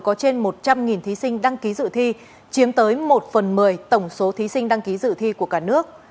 có trên một trăm linh thí sinh đăng ký dự thi chiếm tới một phần một mươi tổng số thí sinh đăng ký dự thi của cả nước